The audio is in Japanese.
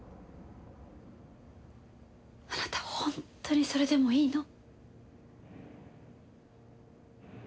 あなた本当にそれでもいいの？